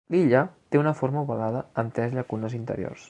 L'illa té una forma ovalada amb tres llacunes interiors.